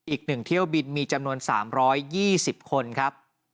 อีก๑เที่ยวบินมีจำนวน๓๒๐คนครับ